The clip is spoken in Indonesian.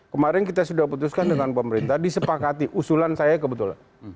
kemarin kita sudah putuskan dengan pemerintah disepakati usulan saya kebetulan